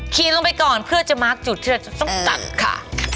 ลงไปก่อนเพื่อจะมาร์คจุดที่เราจะต้องตัดค่ะ